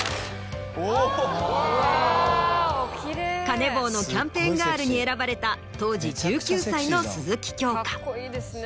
カネボウのキャンペーンガールに選ばれた当時１９歳の鈴木京香。